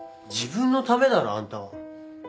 自分のためだろあんたは。